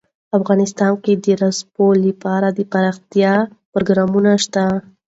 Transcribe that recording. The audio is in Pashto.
افغانستان کې د رسوب لپاره دپرمختیا پروګرامونه شته.